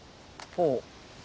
ほう。